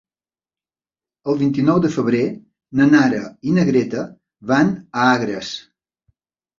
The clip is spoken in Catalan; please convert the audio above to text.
El vint-i-nou de febrer na Nara i na Greta van a Agres.